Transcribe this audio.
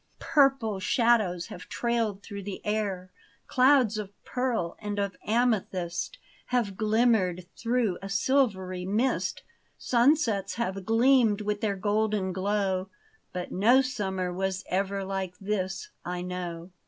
Purple shadows have trailed through the air : Clouds of pearl and of amethyst Have glimmered through a silvery mist : Sunsets have gleamed with their golden glow. But no summer was ever like this, I know.